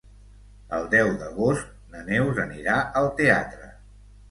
El deu d'agost na Neus anirà al teatre.